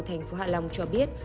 thành phố hạ long cho biết